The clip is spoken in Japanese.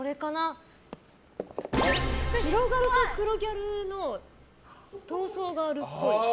白ギャルと黒ギャルの闘争があるっぽい。